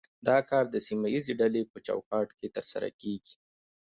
دا کار د سیمه ایزې ډلې په چوکاټ کې ترسره کیږي